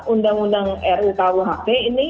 undang undang rukuhp ini